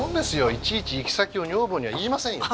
いちいち行き先を女房には言いませんよ。